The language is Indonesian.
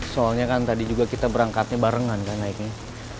soalnya kan tadi kita juga berangkatnya barengan kan naiknya